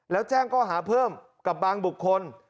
แล้วแจ้งข้อหาเพิ่มกับบางบุคคล